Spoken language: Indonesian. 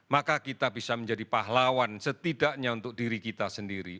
maka kita bisa menjadi pahlawan setidaknya untuk diri kita sendiri